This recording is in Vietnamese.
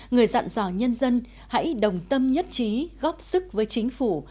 người dặn dò nhân dân hãy đồng tâm nhất trí góp sức với chính phủ